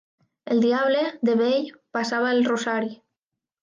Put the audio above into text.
El diable, de vell, passava el rosari.